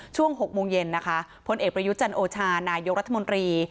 ช่วง๖โมงเย็นนะคะพลเอกประยุจันโอชานายกรัฐมนตรี